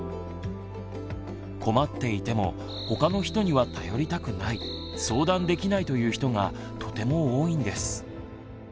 困っていても他の人には頼りたくない相談できないという人がとても多いんです。